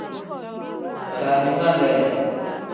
Daaninga lee.